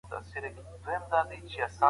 په کور کي د زده کړي پر مهال وخت نه بایلل کېږي.